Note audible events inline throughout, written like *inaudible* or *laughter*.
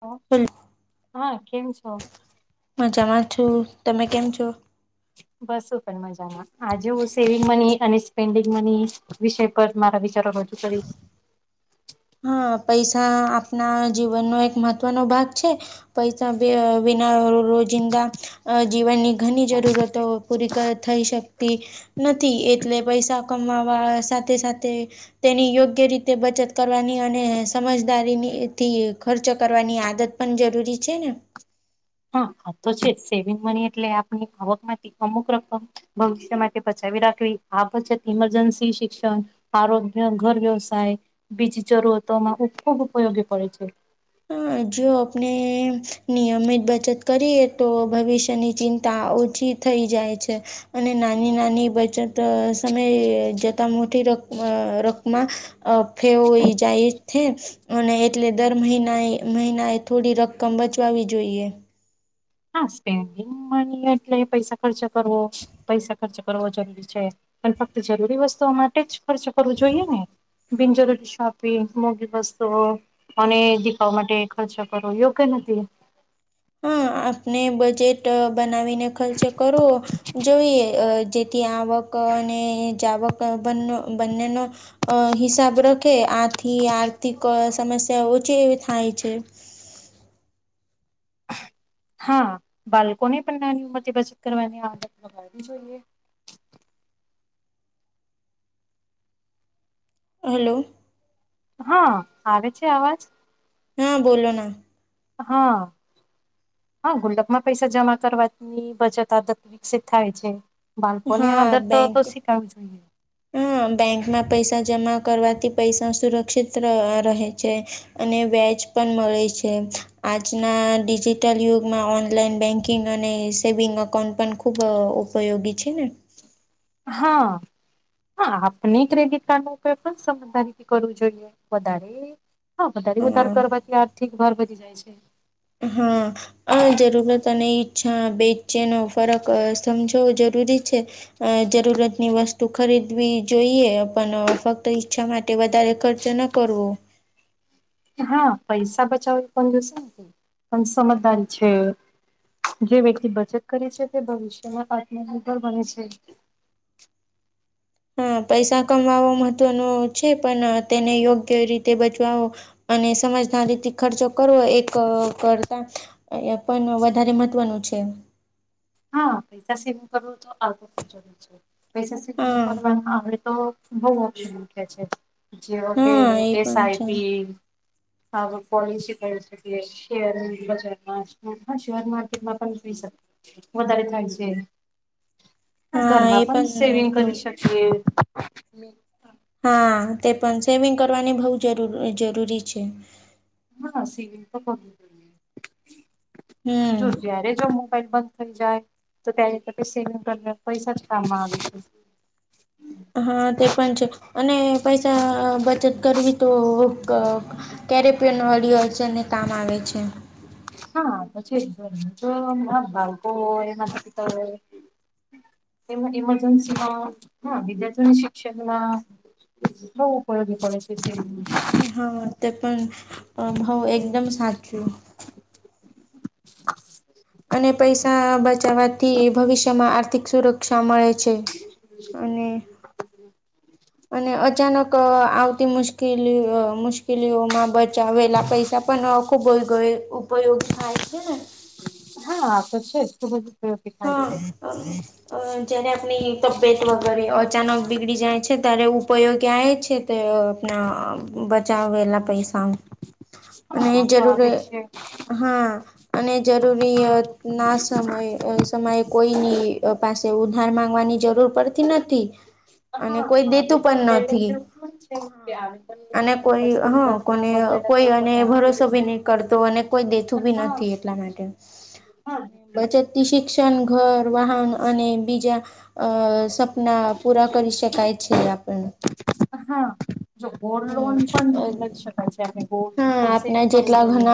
હ હેલો હા કેમ છો. મજામાં છું તમે કેમ છો. બસું પણ મજામાં. આજે હું સેવિંગ મની અને સ્પેન્ડિંગ મની વિષય પર મારા વિચારો રજૂ કરીશ. હા પૈસા આપના જીવનનો એક મહત્વનો ભાગ છે. પૈસા બિના રોજિંદા અ જીવનની ઘણી જરૂરતો પૂરી થઈ શકતી. નથી એટલે પૈસા કમાવા સાથે સાથે તેની યોગ્ય રીતે બચત કરવાની અને સમજદારીથી ખર્ચ કરવાની આદત પણ જરૂરી છે ને. હા હ તો છે સેવિંગ મની એટલે આપની આવક માંથી અમુક રકમ ભવિષ્ય માટે બચાવી રાખવી આ બચત ઇમરજન્સી શિક્ષણ આરોગ્ય ઘર વ્યવસાય બીજ જરૂરતોમાં ખૂબ ઉપયોગી પડે છે. હ જો આપણે નિયમિત બચત કરીએ તો ભવિષ્યની ચિંતા ઓછી થઈ જાય છે. અને નાની નાની બચત સમયે જતા મોટી રક રકમાં અ ફેઈ જાય છે અને એટલે દર મહિને આ મહિના એ થોડી રકમ બચાવાવી જોઈએ. હા સ્પેન્ડિંગ મની એટલે પૈસા ખર્ચ કરવો પૈસા ખર્ચ કરવો જરૂરી છે. પણ ફક્ત જરૂરી વસ્તુઓ માટે જ ખર્ચ કરવો જોઈએ ને. બિનજરૂરી શોપિંગ મોગી વસ્તુઓ અને દીખાવ માટે ખર્ચો કરવો યોગ્ય નથી. હા આપને બજેટ બનાવીને ખર્ચે કરો જોઈએ અ જે થી આવક અને જાવક બને બંનેનો અ હિસાબ રખે આથી આર્થિક સમસ્યા ઓછી એવી થાય છે. હા બાળકો ને પણ નાની ઉમરથી બચત કરવાની આદત લગાવવી જોઈએ. હલ્લો. હા આવે છે અવાજ. હા બોલો ના. હા. હા ગુલ્લકમાં પૈસા જમા કરવાની બચત આદત વિકસિત થાય છે. બાળકો ની આદત તો શીખાવવી જોઈએ. હમ્મ બેંકમાં પૈસા જમા કરવાથી પૈસા સુરક્ષિત રહે છે. અને વ્યાજ પણ મળે છે આજના ડિજિટલ યુગમાં ઓનલાઈન બેન્ક બેકિંગ અને સેવિંગ અકાઉન્ટ પણ ખૂબ ઉપયોગી છે ને. હા. હા આપણે ક્રેડિટ કાર્ડ નો ઉપયોગ પણ સમજદારીથી કરવો જોઈએ વધારે હા વધારે વધારે હા કરવાથી આર્થિક ભાર બચી જાય છે. હા અ જરૂરત અને ઈચ્છા બે જેનો ફરક સમજવો જરૂરી છે. અ જરૂરતની વસ્તુ ખરીદવી જોઈએ પણ ફક્ત ઈચ્છા માટે વધારે ખર્ચ ન કરવો. હા પૈસા બચાવ પણ જોશે પણ સમજદારી છે. જે વ્યક્તિ બચત કરે છે તે ભવિષ્યમાં આત્મનિર્ભર બને છે. હા પૈસા કમાવો મહત્વનો છે પણ તેને યોગ્ય રીતે બચવાવો અને સમજદારરીથી ખર્ચો કરવો એક કરતા અ પણ વધારે મહત્વનું છે. હા પૈસા સેમિંગ કરવું તો આવું ખુબ જરૂરી છે પૈસા સેવિંગ હા કરવાવામાં આવડે તો બઉ ઓપ્શન મૂક્યા છે જેવા કે હા એ એસ પણ છે આઈપી હા પલિસી ક છે કે શેર બજારમાં હા શેર માર્કેટમાં પણ થઈ શ વધારે થાય છે હા ઘરમાં એ પણ સેવિંગ બહુ કરી શકે. હ *unintelligible* હા તે પણ સેવિંગ કરવાની બહ જરૂરી છે. હા સીવિલ તો જોયુ હમ જયારે જો મોબાઈલ બંધ થઈ જાય તો ત્યારે સેવિ કરને પૈસા જ કામ આવે. હા તે પણ છે અને પૈસા બચત કરવી તો ક કેડિત પેન વચન વાળી કામ આવે છે. હા પછી ધંધો ના ભાગો હોય તો એમાંથી તો હવે એમાં ઈમજન્સીમાં હ વિદ્યાર્થીઓની શિક્ષણમાં ઉપયોગી પડે છે તે હા તે પણ ભઉ એકદમ સાચું. અને પૈસા બચાવા. થી ભવિષ્યમાં આર્થિક સુરક્ષા મળે છે અને *inaudible* અને અચાનક આવતી મુશ્કેલી મુશ્કેલીઓમાં બ બચાવેલા પૈસા પણ ખુબ ઉપયોગી થાય છે ને. હા આ તો છે જ ખુબ જ ઉપયોગી થાય છે. *inaudible* અ જયારે આપણી તબિયત વગેરે અચાનક બીગડી જાય છે, ત્યારે ઉપયો ક્યાંય છે. તે આપણા બચાવેલા. પૈસા અને હા તો જરૂર. આવે છે હા અને જરૂરિ ના સમયે કોઈની પાસે ઉધાર માંગવાની જરૂર પડતી નથી. અને કોઈ હા હ દેતું તો પણ પેલે નથી જેવું છે કે હા અને *unintelligible* કોઈ પછી હા કોને કોઈ અને ભરોસો બી દેશે નહી કરતો અને કોઈ દેતું બી હા નથી એટલા માટે. હા. બચતથી શિક્ષણ, ઘર, વાહન અને બીજા- અ સપના પૂરા કરી શકાય છે આપણ. હા જો ગોલ્ડ હમ લોન પણ લઈ શક પછી આપણે ગો ગોલ તો સેવિંગ કરવું જોઈએ.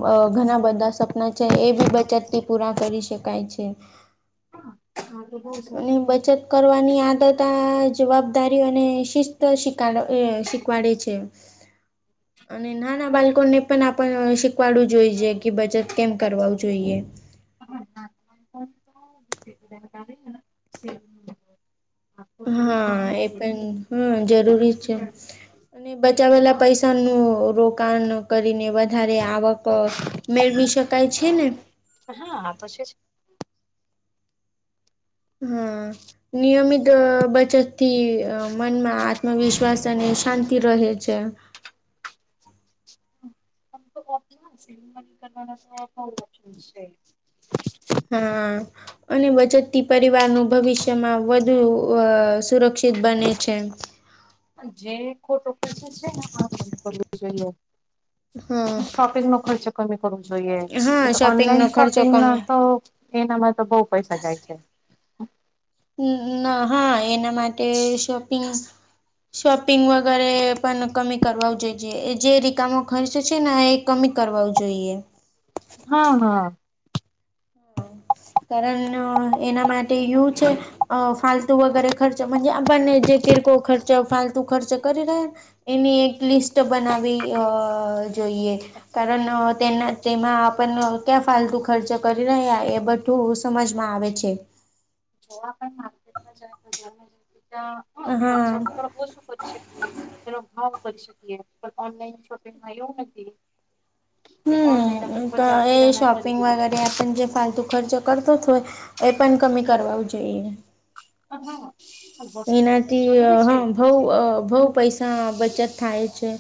અ ઘણા બધા સપના છે, એ બી બચતથી પૂરા કરી શકાય છે. હા તો બહુ અને સારું બચત કરવાની આદત આ જવાબદારી અને- શિસ્ત શિકડ શિકવાડે છે. અને નાના બાળકોને પણ આપણ શીખવાડવું જોઈ છે કે બચત કેમ કરવા વુ જોઈએ. આ સેવ હા. હા એ પણ હમ જરૂરી છે. અને બચાવેલા પૈસાનું રોકાણ કરીને વધારે આવક, મેળવી શકાય છે ને. હા આતો છે જ *unintelligible* હ નિયમિત બચતથી મનમાં આત્મવિશ્વાસ અને શાંતિ રહે છે. તો ઓપ્શન સિમિ કરના તો બહ ઓપ્શન છે. હા અને બચતથી પરિવારનું ભવિષ્યમાં વધુ સુરક્ષિત બને છે. જે ખોટો પછ છે ને આ કરવ જોઈએ. હા શોપિંગ ન ખર્ચો કમી કરવો જોઈએ હા શોપિંગનો ઓનલાઈન ખર્ચો શોપિંગ ના કમે તો એનામાં તો બઉુ પૈસા જાય છે. ના હા એના માટે શોપિંગ. શોપિંગ વગેરે પણ કમી કરવા જોઈએ જે રિકામો ખર્ચે છે ને એક કમી કરવા જોઈએ. હા હા. કારણ એના માટે યુસ અ ફાલતુ વગેરે ખર્ચજ આપણ જે કિરક ખર્ચ ફાલતુ ખર્ચ કરી રહ એની એક લિસ્ટ બનાવી અ જોઈએ. કારણ તેના તેમાં આપણ ક્યા ફાલતુ ખર્ચ કરી રહ્યા એ બ સમજમાં આવે છે. જોવા પણ માર્કેટમાં જાય તો જાય ત્યાં *unintelligible* હ હા ખર્ચા કરવોજ પડશે ને તેનો ભાવ કરી શકીએ પણ ઓનલાઈન શોપિંગમાં એવું નથી. એ હમ ઓનલાઈન આપ બજાર કિરાણા પણ જે ફાલતુ ખર્ચ કરતો તોય એ પણ કમી કરવાવુ જોઈએ. હા વસ્તુ લેવું એનાથી જરૂરી હ છે. બઉ બઉ પૈસા બચત થાય છે.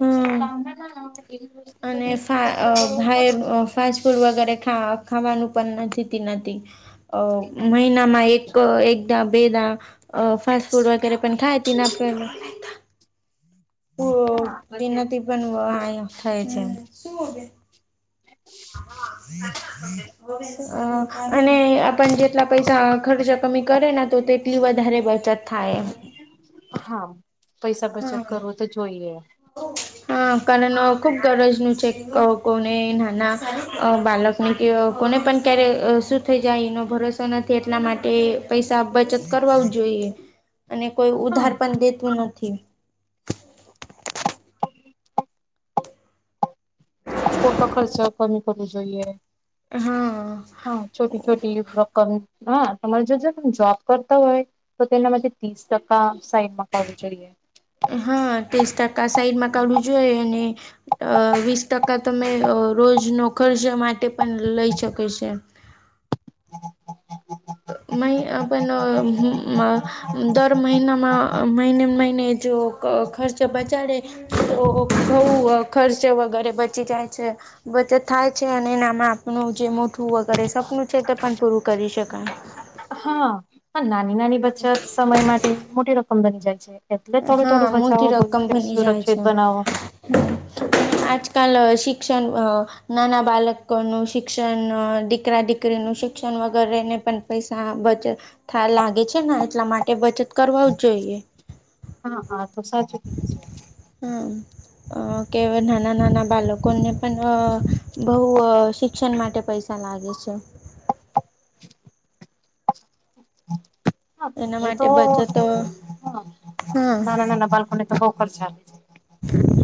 હમ અને ફા ખર્ચો કરવો ભાઈ ખોટો છે. ફાસ્ટ ફૂટ વગેરે ખાવાનું પણ જીતી નથી. અ મહિનામાં એક એક બેદા અ ફાસ્ટ ફૂડ વગેરે પણ ખાાયતી આપ હા તો તે છે. નાથી પણ થાય છે. *inaudible* અને આપ જેટલા પૈસા ખર્ચ કમી કરે ને તો તેટલી વધારે બચત થાય એમ. હા પૈસા બચત કરવો તો જોઈએ. ઓમાડી. *unintelligible* હ કારણ ખુબ ગરજનું છે કોને નાના બાળક અ કોને પણ ક્યારેય શું થઈ જાય એનો ભરોસો નથી એટલા માટે પૈસા બચત કરવા જોઈએ અને કોઈ હા ઉધાર પણ દેતું નથી. ખોટો ખર્ચ કમી કરવો જોઈએ. હા હા છોટી છોટી રકમ હા તમે જો જો ત જોબ કરતા હોય તો તેના માટે ત્રીસ ટકા સાઈડમાં કરવું જોઈએ. હા ત્રીસ ટકા સાઈડમાં કારવું જોઈએ અને અ વીસ ટકા તમે રોજ નો ખર્ચ માટે પણ લઈ શકે છે. *unintelligible* દર મહિનામાં મહિને મહિને જો ખર્ચ બચાડે તો બઉ ખર્ચો વધારે બચી જાય છે. બચત થાય છે અને એનામાં આપણું જે મોઠું વગેરે સપનું છે તે પણ પૂરું કરી શકાય. હા નાની નાની બચત સમય માટે મોટી રકમ બની જાય છે. એટલે થોડું હા થોડું મોટી બચાવો રકમ ભવિષ્ય બની જાય સુરક્ષિત છે બનાવો. *inaudible* આજકાલ શિક્ષણ નાના બાલકો નું શિક્ષણ દીકરા દીક નું શિક્ષણ વગરેને પણ પૈસા બચત લાગે છે ને એટલા માટે બચત કરવુ જ જોઈએ. હા હા તો સાચું જ. હમ્મ. અ કે નાના નાના બાલકોને પણ બહુ શિક્ષણ માટે પૈસા લાગે છે. *inaudible* હા, એના મારે તો માટે બચત હ હા નાના નાના બાલ્કોને તો હકર *unintelligible* ચાલે.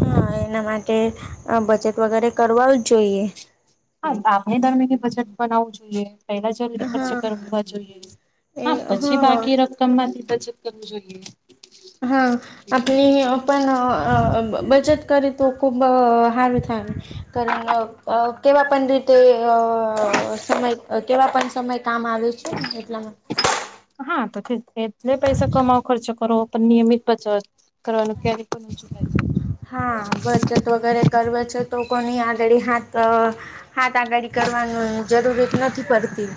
હા, એના માટે અ બચત વગેરે કરવા જ જોઈએ. હા આપણે દર મહિને બજેટ બનાવવું જોઈએ. પેલા જલ્દી ખર્ચ હા કરવા જોઈએ એ હા પછી હા બાકી ર કમમાંથી બચત કરવું જોઈએ. હા *unintelligible* પણ બચત કરી તો ખૂબ સારું થાય કારણ *unintelligible* કેવા પણ રીતે અ સમય કેવા પણ સમય કામ આવે છે ને એટલે. હા તો એટલે પૈસા કમાવ ખર્ચો કરો પણ નિયમિત બચાવ કરવાનું ક્યારે હા બચત વગેરે કરવે છે તો કોની આગળી હાથ આ હાથ આગડી કરવાનું જરૂરત નથી પડતી.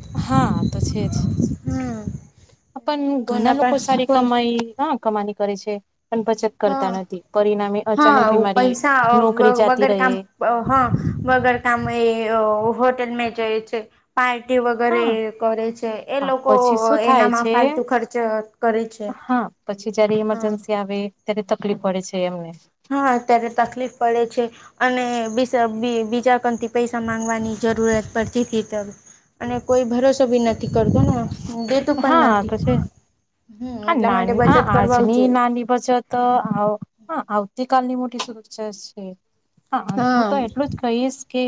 થાય હા તો છેજ હમ પણ કોના ઘણા પણ લોકો સારી કોણ કમાઈ હા કમાની કરે છે પણ બચત કરતા હા નથી પરિણામે હા અચાનક બીમારી નોકરી જાતી રહે. અ હ વગર કામે અ હોટેલમે જયે છે. પાલ્ટી વગરે હા કરે છે એ હા, લોકો પછી શું થાય એનામાં છે ફાલતુ ખર્ચ કરે છે. હા પછી જયારે હા ઇમરજન્સી આવે ત્યારે તકલીફ પડે છે એમને. હા, અત્યારે તકલીફ પડે છે અને બીસ બી બીજાકનથી પૈસા માંગવાની જરૂરત પડતીતી ત હવે અને કોઈ ભરોસો બી નથી કરતો ને અ હ દેતું પણ હા નથી તો છે હામ એટલા માટે બચત કરવા આવું જોઈએ. એમની બચત તો આવ હા આવતી કાલની મોટી સુરક્ષા છે હા હું તો એટલું જ કહીએસ કે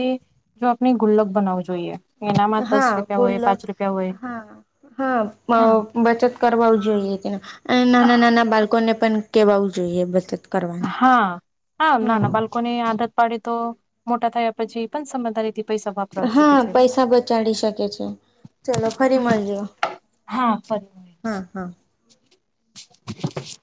જો આપણે ગુલ્લક બનાવું જોઈએ એનામાં દસ હા રૂપિયા હોય, ગુલ્લક પાંચ રૂપિયા હોય હા હા બ બચત કરવા જોઈએ તેને અ નાના હા નાના બાળકોને પણ કેવાવું જોઈએ બચત કરવાની હા. ને આદત પડે તો મોટા થયા પછી પણ સમજદારીથી પૈસા વાપરવા શીખે હા છે પૈસા બચાડી શકે છે ચલો ફરી મળીએ. હા ફરી હા હા.